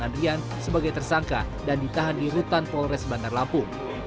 andrian sebagai tersangka dan ditahan di rutan polres bandar lampung